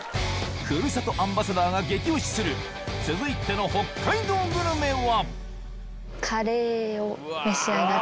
ふるさとアンバサダーが激推しする続いての北海道グルメは？